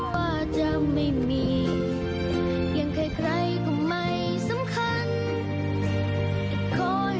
ว่าจะไม่มีอย่างใครก็ไม่สำคัญ